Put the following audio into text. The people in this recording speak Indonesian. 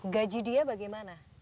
gaji dia bagaimana